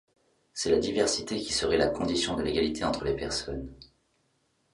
C’est la diversité qui serait la condition de l’égalité entre les personnes.